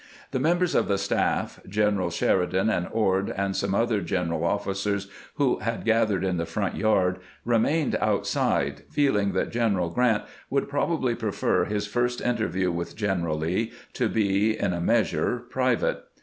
The members of the staff, Generals Sheridan and Ord, and some other general officers who had gathered in the front yard, remained outside, feeling that General Grant would probably prefer his first interview with General Lee to be, in a measure, private.